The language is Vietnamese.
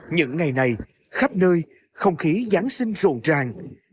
những ngày này khắp nơi không khí giáng sinh rộn ràng